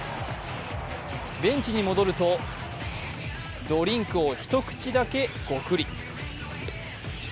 ベンチに戻るとドリンクを一口だけゴクリ。